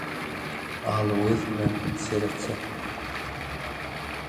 alagöz bilen seretse